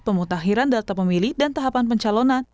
pemutahiran data pemilih dan tahapan pencalonan